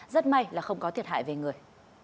rất may là không có thiệt hại về người